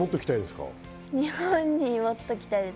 日本に持っておきたいです。